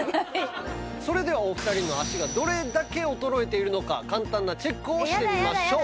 それではお二人の足がどれだけ衰えているのか簡単なチェックをしてみましょう。